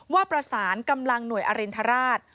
ว่าประสานกำลังหน่วยอรินทราช